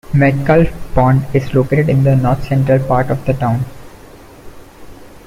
Metcalf Pond is located in the north-central part of town.